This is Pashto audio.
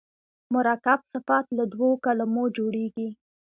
مرکب صفت له دوو کلمو جوړیږي.